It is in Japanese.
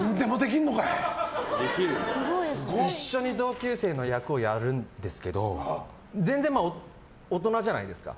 一緒に同級生の役をやるんですけど全然大人じゃないですか。